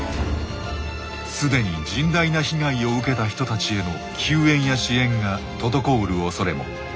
既に甚大な被害を受けた人たちへの救援や支援が滞るおそれも。